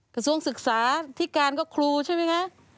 กระทรวงศึกษาที่การก็ครูใช่ไหมคะ